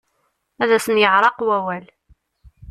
Ad asen-yeεreq wawal.